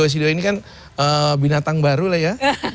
masih ini cdo cdo ini kan binatang baru lah ya